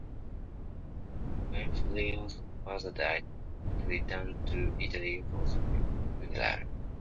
When Furio's father died, he returned to Italy for the funeral.